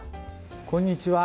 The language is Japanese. こんにちは。